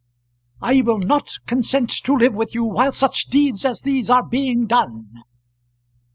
"I will not consent to live with you while such deeds as these are being done."